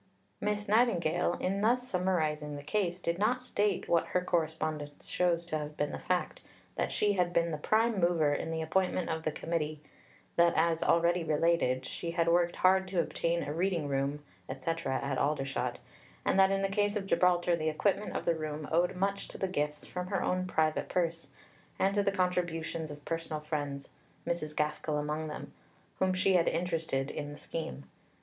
Miss Nightingale, in thus summarizing the case, did not state, what her correspondence shows to have been the fact, that she had been the prime mover in the appointment of the Committee; that, as already related (p. 351), she had worked hard to obtain a reading room, etc., at Aldershot; and that, in the case of Gibraltar, the equipment of the room owed much to gifts from her own private purse and to the contributions of personal friends (Mrs. Gaskell among them) whom she had interested in the scheme.